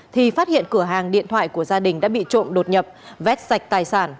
thì phát hiện cửa hàng điện thoại của gia đình đã bị trộm đột nhập vét sạch tài sản